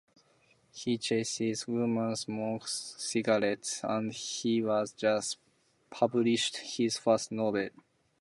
He chases women, smokes cigars, and has just published his first novel.